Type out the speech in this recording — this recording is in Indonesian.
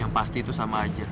yang pasti itu sama aja